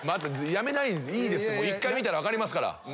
⁉いいです１回見たら分かりますから。